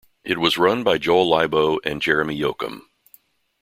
It was run by Joel Leibow and Jeremy Yocum.